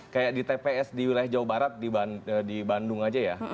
kayak di tps di wilayah jawa barat di bandung aja ya